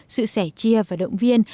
sự sẻ chia và động viên